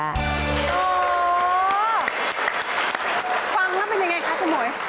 ฟังแล้วเป็นอย่างไรคะคุณหม่อย